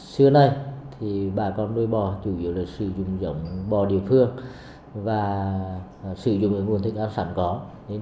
xưa nay bà con nuôi bò chủ yếu là sử dụng dòng bò địa phương